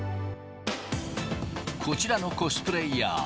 こちらのコスプレイヤー。